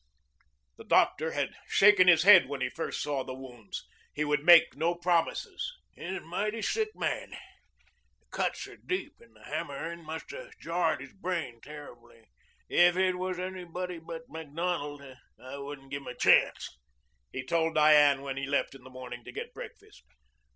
The doctor had shaken his head when he first saw the wounds. He would make no promises. "He's a mighty sick man. The cuts are deep, and the hammering must have jarred his brain terribly. If it was anybody but Macdonald, I wouldn't give him a chance," he told Diane when he left in the morning to get breakfast.